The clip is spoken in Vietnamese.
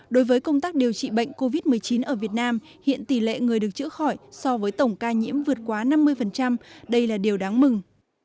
đối với công tác điều trị bệnh covid một mươi chín ở việt nam hiện tỷ lệ người được chữa khỏi so với tổng ca nhiễm vượt quá năm mươi đây là điều đáng mừng